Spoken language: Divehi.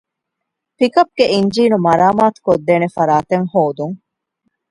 ޕިކަޕްގެ އިންޖީނު މަރާމާތު ކޮށްދޭނެ ފަރާތެއް ހޯދުން